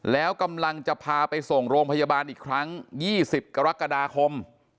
แล้วกำลังจะพาไปส่งโรงพยาบาลอีกครั้ง๒๐กรกฎาคม